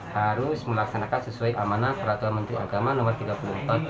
harus melaksanakan sesuai amanah peraturan menteri agama nomor tiga puluh empat tahun dua ribu enam belas